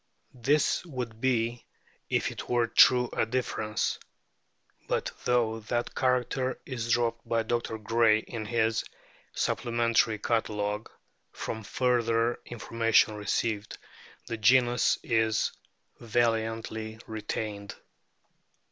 This would be if it were true a difference ; but though that character is dropped by Dr. Gray in his "Supplementary Catalogue" from further in formation received, the genus is valiantly retained